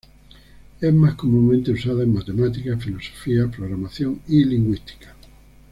Es más comúnmente usada en matemáticas, filosofía, programación y lingüística.